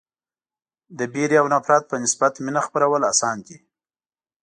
د وېرې او نفرت په نسبت مینه خپرول اسان دي.